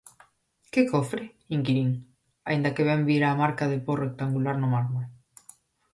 "¿Que cofre?", inquirín, aínda que ben vira a marca de po rectangular no mármore."